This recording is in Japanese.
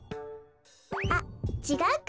あっちがうか。